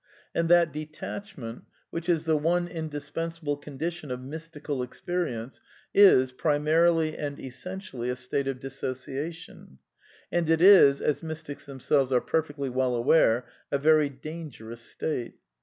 And that de tachme nt, which is the one indispensable l^ondition of mystical experience, is, primarily and essentially, a state of di ssoci ation. And it is, as mystics themselves are per fectly well aware, a very dangerous state.